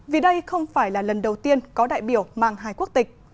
vì đây không phải là lần đầu tiên có đại biểu mang hai quốc tịch